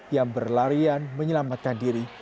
yang berlarian menyelamatkan diri